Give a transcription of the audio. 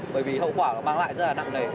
bởi vì hậu quả nó mang lại rất là nặng nề